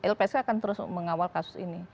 lpsk akan terus mengawal kasus ini